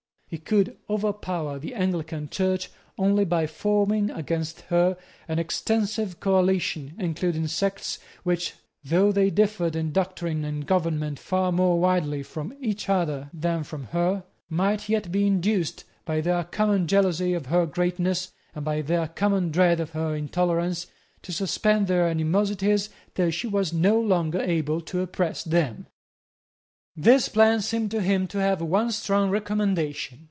He could overpower the Anglican Church only by forming against her an extensive coalition, including sects which, though they differed in doctrine and government far more widely from each other than from her, might yet be induced, by their common jealousy of her greatness, and by their common dread of her intolerance, to suspend their animosities till she was no longer able to oppress them. This plan seemed to him to have one strong recommendation.